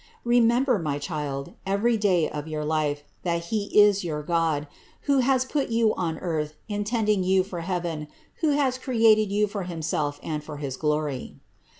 Remember, my child, every day of your life, that he is your God, who has put you on earth intending you fbr heaven, who has created you for himself and for his glory.